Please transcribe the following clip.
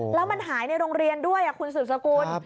แล้วมันหายในโรงเรียนด้วยคุณสืบสกุล